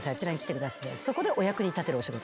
そこでお役に立てるお仕事。